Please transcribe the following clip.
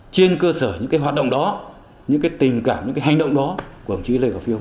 trên cơ sở những hoạt động đó những tình cảm những cái hành động đó của đồng chí lê khả phiêu